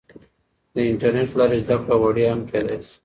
د انټرنیټ له لارې زده کړه وړیا هم کیدای سي.